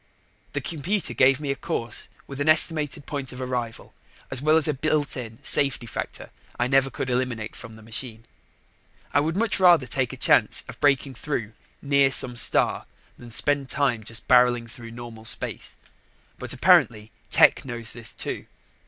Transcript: The computer gave me a course with an estimated point of arrival as well as a built in safety factor I never could eliminate from the machine. I would much rather take a chance of breaking through near some star than spend time just barreling through normal space, but apparently Tech knows this, too.